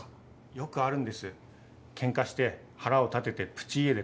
よくあるんですケンカして腹を立ててプチ家出とか。